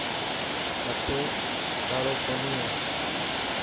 مٿي ڪاڙو ڪوني هي.